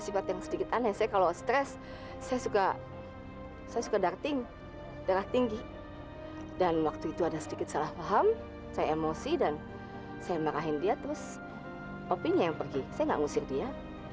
saya harus berterima kasih karena